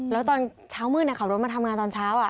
แล้วตอนเช้ามืดขับรถมาทำงานตอนเช้า